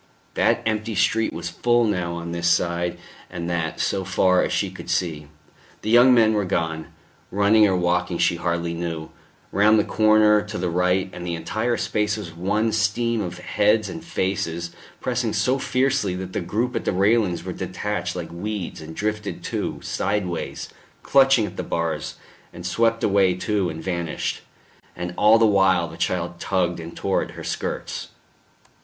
That empty street was full now on this side and that so far as she could see; the young men were gone running or walking she hardly knew round the corner to the right, and the entire space was one stream of heads and faces, pressing so fiercely that the group at the railings were detached like weeds and drifted too, sideways, clutching at the bars, and swept away too and vanished. And all the while the child tugged and tore at her skirts.